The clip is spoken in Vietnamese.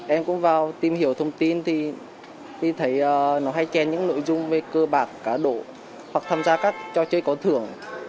em cũng vào tìm hiểu thông tin thì thấy nó hay khen những nội dung về cơ bạc cá độ hoặc tham gia các trò chơi có thưởng